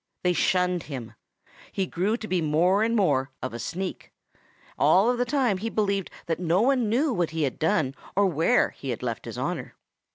They shunned him. He grew to be more and more of a sneak. And all the time he believed that no one knew what he had done or where he had left his honor.